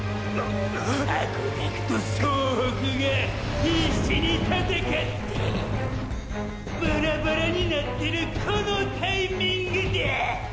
ハコガクと総北がぁ必死に闘ってぇバラバラになってるこのタイミングでぇ！！